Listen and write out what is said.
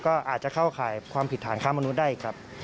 ก็อาจจะเข้าข่ายความผิดฐานค้ามนุษย์ได้ครับ